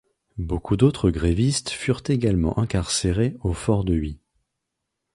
Beaucoup d'autres grévistes furent également incarcérés au fort de Huy.